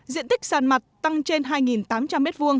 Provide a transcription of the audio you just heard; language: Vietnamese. diện tích sàn mặt tăng trên hai tám trăm linh m hai